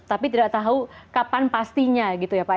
tapi tidak tahu kapan pastinya gitu ya pak